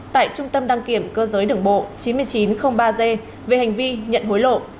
tại trung tâm đăng kiểm cơ giới đường bộ chín nghìn chín trăm linh ba g về hành vi nhận hối lộ